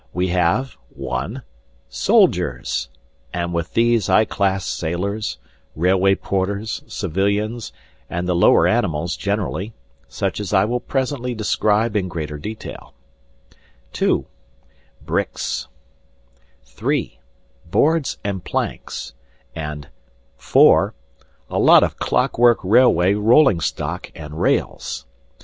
We have (1) SOLDIERS, and with these I class sailors, railway porters, civilians, and the lower animals generally, such as I will presently describe in greater detail; (2) BRICKS; (3) BOARDS and PLANKS; and (4) a lot of CLOCKWORK RAILWAY ROLLING STOCK AND RAILS.